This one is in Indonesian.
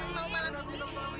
mau malam ini